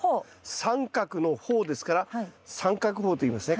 三角のホーですから三角ホーといいますね。